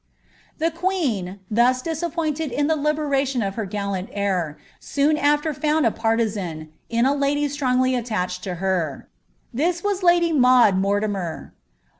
The queen, thus disappointed in the liberation of her gallant heir, soon after found a partisan, in a lady strongly attached to her. This was lady Maud Mortimer.